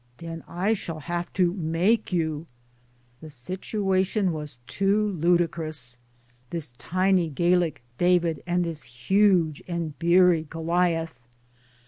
"Den I shall have to make you." The situation was too ludicrous this tiny Gallic David and this huge and beery Goliath